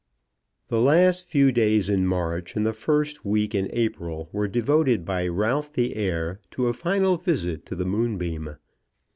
The last few days in March and the first week in April were devoted by Ralph the heir to a final visit to the Moonbeam.